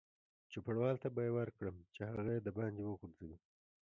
چوپړوال ته به یې ورکړم چې هغه یې دباندې وغورځوي.